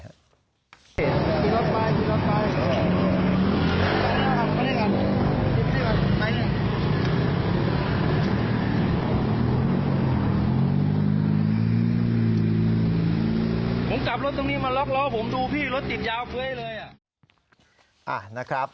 กลับรถตรงนี้มาล็อกล้อผมดูพี่รถติดยาวเฟ้ยเลย